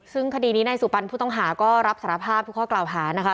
ซึ่งคดีนี้นายสุปันผู้ต้องหาก็รับสารภาพทุกข้อกล่าวหานะคะ